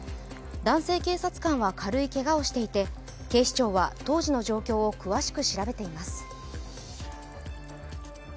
男性警察官は軽いけがをしていて警視庁は当時の状況を詳しく調べています。